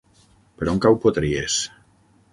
Per on cau Potries?